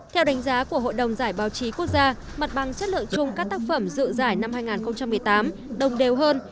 theo đánh giá của hội đồng giải báo chí quốc gia mặt bằng chất lượng chung các tác phẩm dự giải năm hai nghìn một mươi tám đồng đều hơn